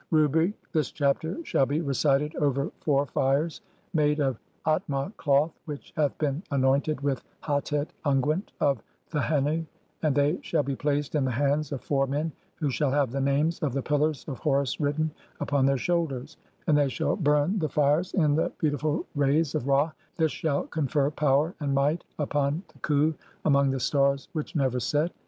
Rubric : [this chapter] shall be recited over four fires [made OF] ATM A CLOTH WHICH HATH BEEN ANOINTED WITH HATET UNGUENT OF THEHENNU, AND THEY SHALL BE PLACED IN THE HANDS OF FOUR MEN WHO SHALL HAVE THE NAMES OF THE PILLARS OF HORUS WRITTEN (28) UPON THEIR SHOULDERS, AND THEY SHALL BURN THE FIRES IN THE BEAUTI FUL RAYS OF RA, AND THIS SHALL CONFER POWER AND MIGHT UPON THE XHJ/AMONG THE STARS WHICH NEVER SET.